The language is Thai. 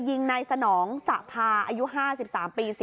พอหลังจากเกิดเหตุแล้วเจ้าหน้าที่ต้องไปพยายามเกลี้ยกล่อม